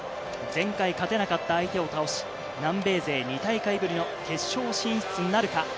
前回勝てなかった相手を倒し、南米勢２大会ぶりの決勝進出なるか？